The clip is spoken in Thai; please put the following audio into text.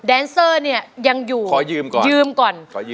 แดนเซอร์เนี่ยยังอยู่เยืมก่อนอยู่ะอยู่ง่อยก่อน